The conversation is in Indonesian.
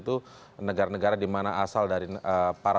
terima kasih pak